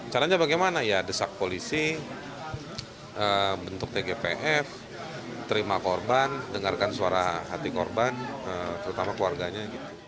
caranya bagaimana ya desak polisi bentuk tgpf terima korban dengarkan suara hati korban terutama keluarganya